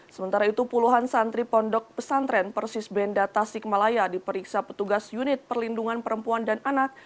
sementara itu puluhan santri pondok pesantren persis benda tasikmalaya diperiksa petugas unit perlindungan perempuan dan anak